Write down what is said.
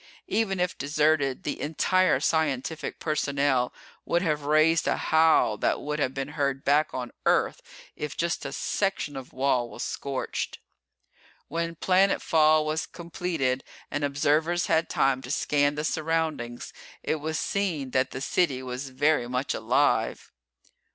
Even if deserted, the entire scientific personnel would have raised a howl that would have been heard back on Earth if just a section of wall was scorched. When planet fall was completed and observers had time to scan the surroundings it was seen that the city was very much alive.